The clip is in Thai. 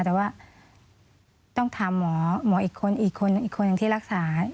แต่ว่าต้องถามหมอหมออีกคนอีกคนอีกคนที่รักษา